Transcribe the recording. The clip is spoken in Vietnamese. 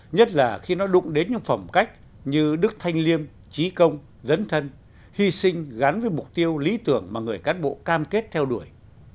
nhất là khi nó đụng đến những phẩm cách như đức thanh liêm trí công dấn thân hy sinh gắn với mục tiêu lý tưởng mà người cán bộ cam kết theo đuổi